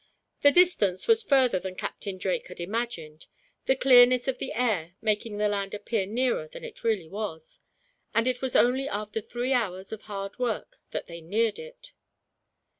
The distance was further than Captain Drake had imagined, the clearness of the air making the land appear nearer than it really was; and it was only after three hours of hard work that they neared it.